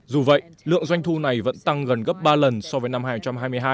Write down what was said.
dù vậy lượng doanh thu này vẫn tăng gần gấp ba lần so với năm hai nghìn hai mươi hai